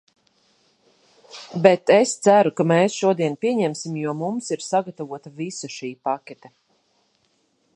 Bet es ceru, ka mēs šodien pieņemsim, jo mums ir sagatavota visa šī pakete.